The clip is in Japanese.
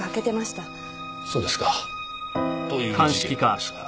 そうですか。という事件なんですが。